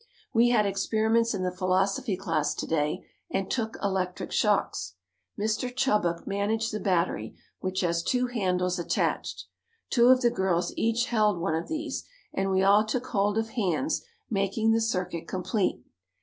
We had experiments in the philosophy class to day and took electric shocks. Mr. Chubbuck managed the battery which has two handles attached. Two of the girls each held one of these and we all took hold of hands making the circuit complete.